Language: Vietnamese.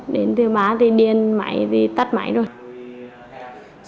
đến thứ ba thì điên mãi thì tắt mãi rồi